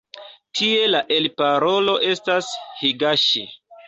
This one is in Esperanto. Tie la elparolo estas higaŝi.